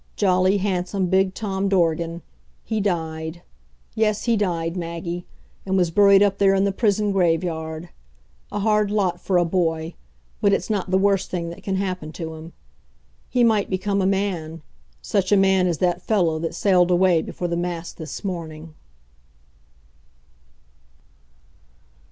jolly, handsome, big Tom Dorgan he died. Yes, he died, Maggie, and was buried up there in the prison graveyard. A hard lot for a boy; but it's not the worst thing that can happen to him. He might become a man; such a man as that fellow that sailed away before the mast this morning.